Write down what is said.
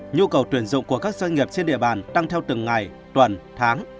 nhu cầu tuyển dụng của các doanh nghiệp trên địa bàn tăng theo từng ngày tuần tháng